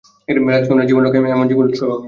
রাজকুমারীর জীবন রক্ষায় আমি আমার জীবন উৎসর্গ করব!